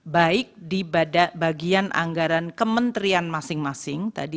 baik di bagian anggaran kementerian masing masing